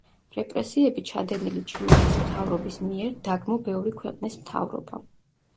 რეპრესიები ჩადენილი ჩინეთის მთავრობის მიერ, დაგმო ბევრი ქვეყნის მთავრობამ.